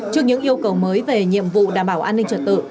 trước những yêu cầu mới về nhiệm vụ đảm bảo an ninh trật tự